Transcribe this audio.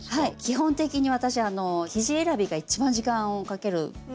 基本的に私生地選びが一番時間をかけるポイントで。